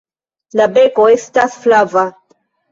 La beko estas flava.